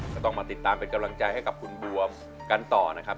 ก็ต้องมาติดตามเป็นกำลังใจให้กับคุณบวมกันต่อนะครับ